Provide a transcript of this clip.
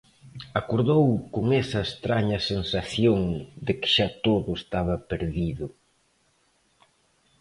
Acordou con esa estraña sensación de que xa todo estaba perdido